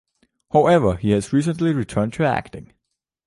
However, he has recently returned to acting.